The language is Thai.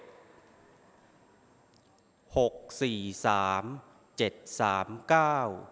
หกสี่สามเจ็ดสามเก้า